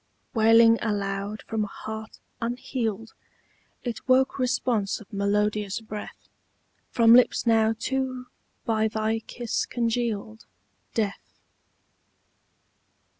Wailing aloud from a heart unhealed, It woke response of melodious breath From lips now too by thy kiss congealed, Death.